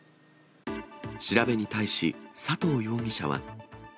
調べに対し、佐藤容疑者は。